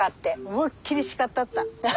思いっ切り叱ったった！